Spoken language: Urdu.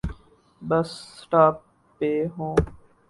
بس سٹاپ پہ ہوں۔